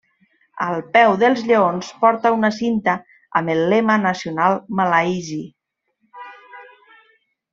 Al peu dels lleons porta una cinta amb el lema nacional malaisi.